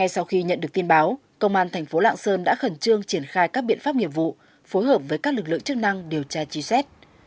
sau khi nhận được tin báo công an thành phố lạng sơn đã khẩn trương triển khai các biện pháp nghiệp vụ phối hợp với các lực lượng chức năng điều tra truy xét